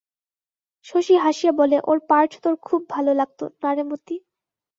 শশী হাসিয়া বলে, ওর পার্ট তোর খুব ভালো লাগত, না রে মতি?